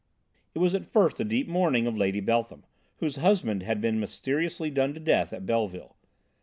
It was at first the deep mourning of Lady Beltham whose husband had been mysteriously done to death at Belleville.